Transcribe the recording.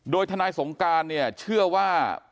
โดยธนายสงการเชื่อว่า